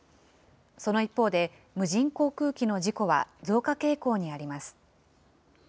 その一方で、無人航空機の事故は増加傾向にあります。